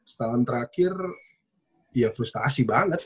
setahun terakhir ya frustasi banget